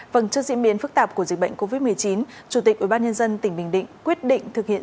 vâng trước diễn biến phức tạp của dịch bệnh covid một mươi chín chủ tịch ubnd tỉnh bình định quyết định thực hiện